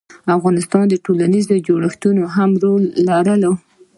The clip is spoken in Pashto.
اقتصادي او ټولنیز جوړښتونه هم رول لري.